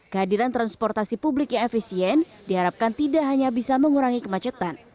kehadiran transportasi publik yang efisien diharapkan tidak hanya bisa mengurangi kemacetan